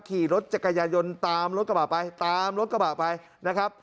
ขี่รถจักรยายนตามรถกระบะไปตามรถกระบะไปนะครับ